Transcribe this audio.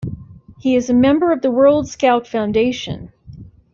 He is a member of the World Scout Foundation.